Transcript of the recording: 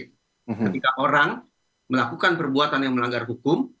ketika orang melakukan perbuatan yang melanggar hukum